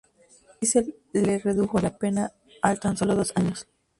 Así se le redujo la pena a tan sólo dos años.